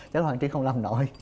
đấy là hoàng trí không làm nổi